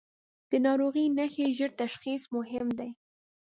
د ناروغۍ نښې ژر تشخیص مهم دي.